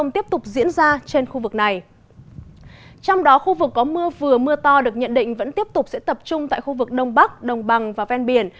trong đó khu vực có mưa vừa mưa to được nhận định vẫn tiếp tục sẽ tập trung tại khu vực đông bắc đồng bằng và ven biển